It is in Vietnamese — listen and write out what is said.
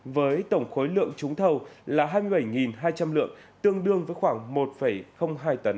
với tổng khối lượng trúng thầu là hai mươi bảy hai trăm linh lượng tương đương với khoảng một hai tấn